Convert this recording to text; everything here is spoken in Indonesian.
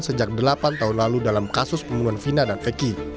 sejak delapan tahun lalu dalam kasus pembunuhan vina dan eki